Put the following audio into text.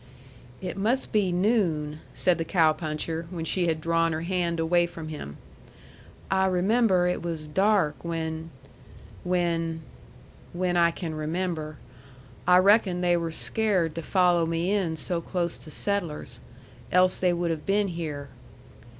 "It must be noon," said the cow puncher, when she had drawn her hand away from him. "I remember it was dark when when when I can remember. I reckon they were scared to follow me in so close to settlers. Else they would have been here."